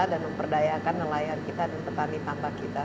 dan memperdayakan nelayan kita dan petani tambah kita